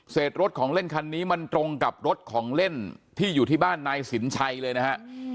รถของเล่นคันนี้มันตรงกับรถของเล่นที่อยู่ที่บ้านนายสินชัยเลยนะฮะ